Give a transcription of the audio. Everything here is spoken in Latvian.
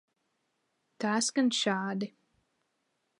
Tā skan šādi.